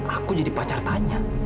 aku jadi pacar tanya